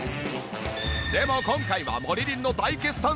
でも今回はモリリンの大決算セール。